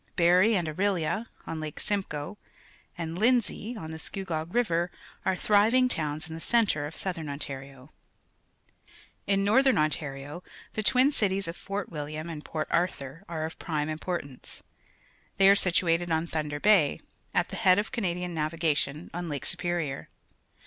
Barrie and Orillia, on Lake Simcoe, and Lindsay, on the Scugog River, are thriving towns in the centre of Southern OMarioZ In Northern Ontario the twin cities o£ Fort Wilhwn and_ Port_jiri}mr are of prime importance. They are situated on Thunder Bay, at the head x>f Canadian naAdgation^xm Lake Superior.